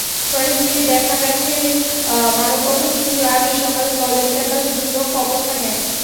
সরেজমিনে দেখা গেছে, মানববন্ধন শুরুর আগেই সকালে কলেজ ক্যাম্পাসে দুই পক্ষ অবস্থান নেয়।